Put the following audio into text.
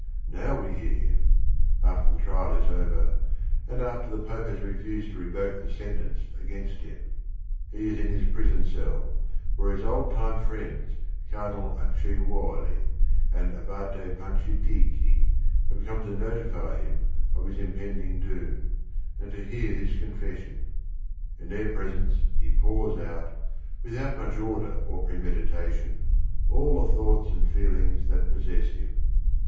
Now w e hear hi m, after the trial is over, and after t he Pope has refused to revoke the sentence against him. He is in his prison cell where his old time friends, Cardinal Acciaiuoli and Abate Pancia tichi, have come to notify him of his impending doom, and to hear his confession. In their presence he pours out, without much order or premeditation, all the thoughts and feelings that possess him.